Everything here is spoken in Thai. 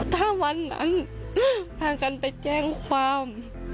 ถ้าวันนั้นพากันไปแจ้งความ